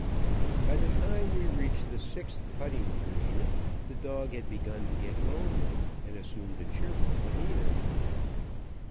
By the time we reached the sixth putting green the dog had begun to get lonely, and assumed a cheerful demeanour.